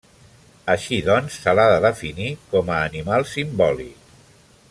Així, doncs, se l'ha de definir com a animal simbòlic.